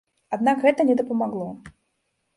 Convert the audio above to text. Аднак гэта не дапамагло.